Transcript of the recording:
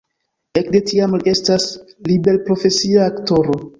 Ekde tiam li estas liberprofesia aktoro.